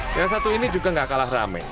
yang satu ini juga gak kalah rame